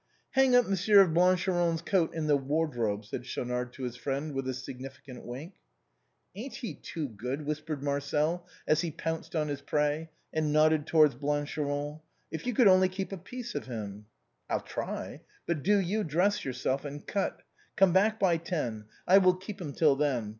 " Hang up Monsieur Blancheron's coat in the wardrobe," said Schaunard to his friend, with a significant wink. " Ain't he too good ?" whispered Marcel as he pounced A GOOD ANGEL. 43 on his prey, and nodded towards Blancheron, " If you could only keep a piece of him." " I'll try ; but do you dress yourself, and cut. Come back by ten ; I will keep him till then.